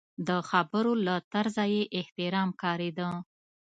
د خبرو له طرزه یې احترام ښکارېده.